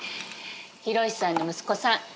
寛さんの息子さん